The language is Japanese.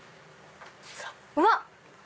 うわっ！